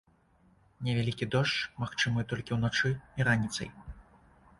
Невялікі дождж магчымы толькі ўначы і раніцай.